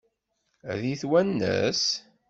Ad iyi-twanes?